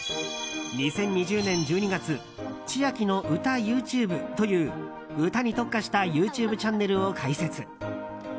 ２０２０年１２月「千秋の歌ＹｏｕＴｕｂｅ」という歌に特化したＹｏｕＴｕｂｅチャンネルを開設。